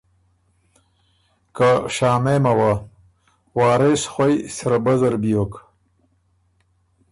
که شامېمه وۀ۔ وارث خوئ "سره بۀ" زر بیوک